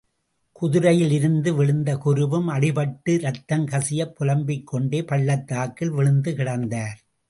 குதிரையிலிருந்து விழுந்த குருவும் அடிபட்டு இரத்தம் கசியப் புலம்பிக்கொண்டே பள்ளத்தாக்கில் விழுந்துகிடந்தார்.